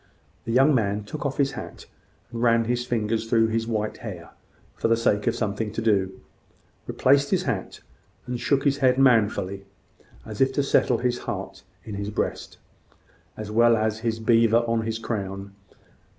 The young man took off his hat, and ran his fingers through his white hair, for the sake of something to do: replaced his hat, and shook his head manfully, as if to settle his heart in his breast, as well as his beaver on his crown.